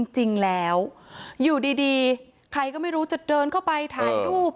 จริงแล้วอยู่ดีใครก็ไม่รู้จะเดินเข้าไปถ่ายรูป